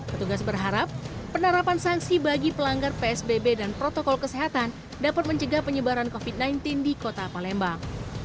petugas berharap penerapan sanksi bagi pelanggar psbb dan protokol kesehatan dapat mencegah penyebaran covid sembilan belas di kota palembang